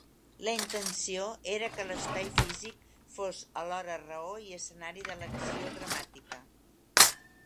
La intenció era que l'espai físic fos alhora raó i escenari de l'acció dramàtica.